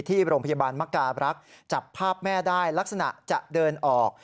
ที่โรงพยาบาลมการรักษ์จับภาพแม่ได้ลักษณะจะเดินออก